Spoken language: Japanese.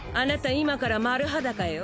今から丸裸よ。